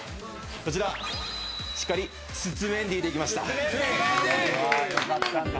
こちらしっかり包メンディーできました。